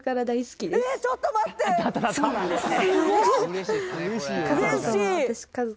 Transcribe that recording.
そうなんですね